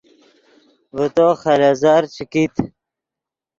ڤے تو خلیزر چے کیت